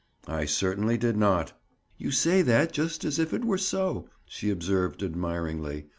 "I certainly did not." "You say that just as if it were so," she observed admiringly.